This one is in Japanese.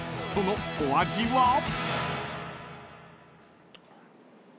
そのお味は？］